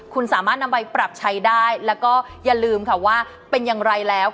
คุณสามารถนำไปปรับใช้ได้แล้วก็อย่าลืมค่ะว่าเป็นอย่างไรแล้ว